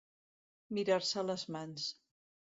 Mirar-se les mans.